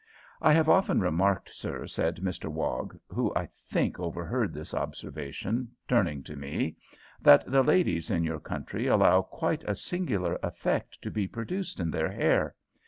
"I have often remarked, sir," said Mr Wog, who I think overheard this observation, turning to me, "that the ladies in your country allow quite a singular effect to be produced in their hair.